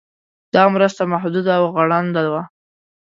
دا مرسته محدوده او غړنده وه.